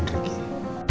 jangan lagi teman riki